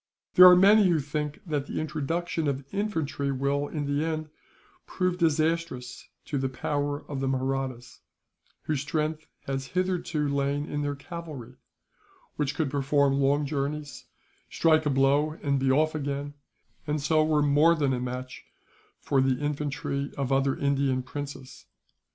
There are many who think that the introduction of infantry will, in the end, prove disastrous to the power of the Mahrattas; whose strength has hitherto lain in their cavalry, which could perform long journeys, strike a blow and be off again, and so were more than a match for the infantry of other Indian princes.